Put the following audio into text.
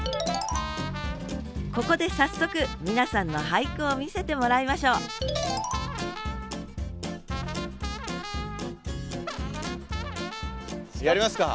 ここで早速皆さんの俳句を見せてもらいましょうやりますか！